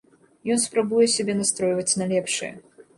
Ён спрабуе сябе настройваць на лепшае.